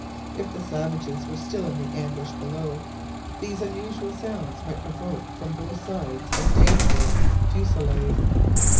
If the savages were still in the ambush below, these unusual sounds might provoke from both sides a dangerous fusillade.